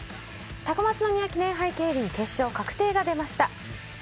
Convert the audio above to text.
高松宮記念杯競輪・決勝、確定が出ました。